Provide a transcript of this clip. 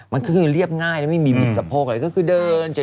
มันก็คือเรียบง่ายแล้วไม่มีมิตรสะโพกอะไรก็คือเดินเฉย